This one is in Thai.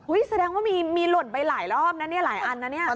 อุ้ยแสดงว่ามีหล่นไปหลายรอบนะหลายอันนะ